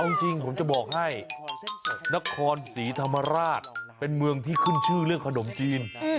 เอาจริงผมจะบอกให้นครศรีธรรมราชเป็นเมืองที่ขึ้นชื่อเรื่องขนมจีน